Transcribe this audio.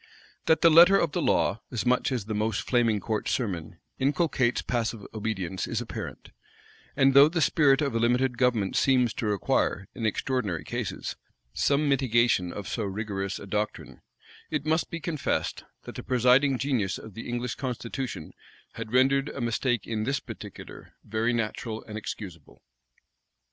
That the letter of the law, as much as the most flaming court sermon, inculcates passive obedience, is apparent; and though the spirit of a limited government seems to require, in extraordinary cases, some mitigation of so rigorous a doctrine, it must be confessed, that the presiding genius of the English constitution had rendered a mistake in this particular very natural and excusable.